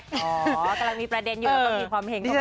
อ๋อกำลังมีประเด็นอยู่แล้วก็มีความเห็นเข้ามา